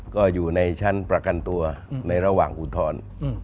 ก็อยู่ในชั้นประกันตัวในระหว่างอุทธรณ์